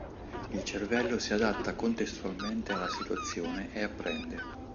Il cervello si adatta contestualmente alla situazione e apprende.